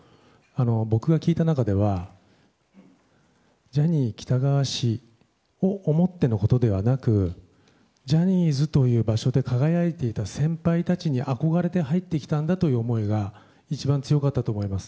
僕が聞いた中ではジャニー喜多川氏を思ってのことではなくジャニーズという場所で輝いていた先輩たちに憧れて入ってきたんだという思いが一番強かったと思います。